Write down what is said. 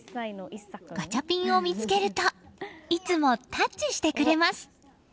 ガチャピンを見つけるといつもタッチしてくれます。